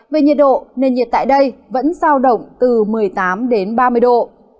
về nhiệt độ nền nhiệt tại đây vẫn sao động từ một mươi tám ba mươi độ